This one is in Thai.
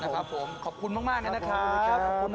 ครับผมนะครับผมขอบคุณมากนะครับขอบคุณครับ